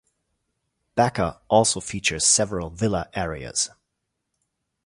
Backa also features several villa areas.